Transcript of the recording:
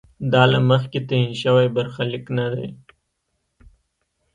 دا له مخکې تعین شوی برخلیک نه دی.